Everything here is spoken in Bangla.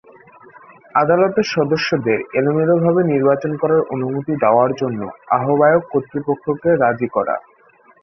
আদালতের সদস্যদের এলোমেলোভাবে নির্বাচন করার অনুমতি দেওয়ার জন্য আহ্বায়ক কর্তৃপক্ষকে রাজি করা।